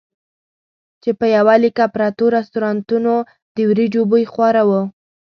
چې په یوه لیکه پرتو رستورانتونو د وریجو بوی خواره وو.